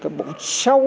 cái bộ sâu